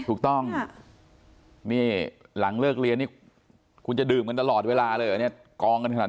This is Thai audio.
ถูกต้องนี่หลังเลิกเรียนนี่คุณจะดื่มกันตลอดเวลาเลยเหรอเนี่ยกองกันขนาด